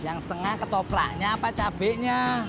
yang setengah ketopraknya apa cabainya